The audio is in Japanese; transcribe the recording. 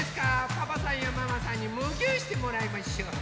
パパさんやママさんにムギューしてもらいましょう。